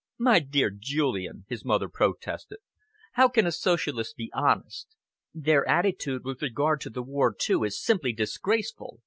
"My dear Julian," his mother protested, "how can a Socialist be honest! Their attitude with regard to the war, too, is simply disgraceful.